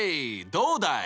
どうだい？